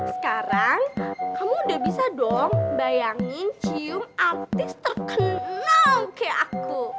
sekarang kamu udah bisa dong bayangin cium artis terkenal kayak aku